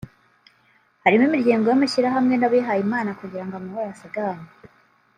harimo imiryango n’amashyirahamwe y’abihayimana kugira ngo amahoro asagambe